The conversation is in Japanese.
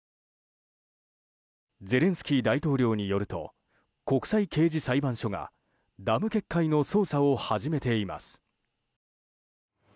ゼレンスキー大統領によると国際刑事裁判所がダム決壊の捜査を始めています。